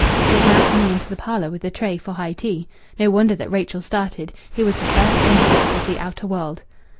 She was now coming into the parlour with the tray for high tea. No wonder that Rachel started. Here was the first onset of the outer world.